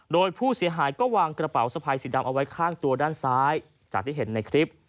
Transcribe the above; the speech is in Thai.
โดยผู้เสียหายก็วางกระเป๋าสะพายสีดำเอาไว้ข้างตัวด้านซ้ายจากที่เห็นในคลิป